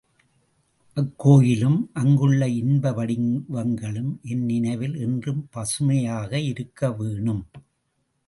அக்கோயிலும் அங்குள்ள இன்ப வடிவங்களும் என் நினைவில் என்றும் பசுமையாக இருக்க வேணும்.